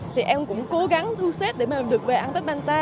thì em cũng cố gắng thu xếp để mà được về ăn tết ban ta